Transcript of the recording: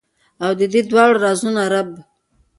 او ددې دواړو رازونو رب ،